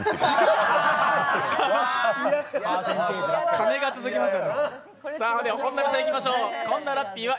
金が続きました。